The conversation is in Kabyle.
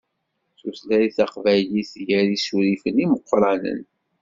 Tutlayt taqbaylit tger isurifen imeqqranen.